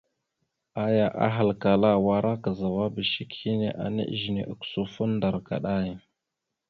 Aya ahalkala: « Wara kazawaba shek hine ana ezine ogǝsufo ndar kaɗay ».